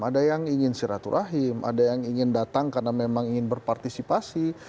ada yang ingin siraturahim ada yang ingin datang karena memang ingin berpartisipasi